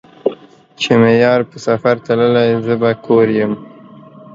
چې مې يار په سفر تللے زۀ به کور يم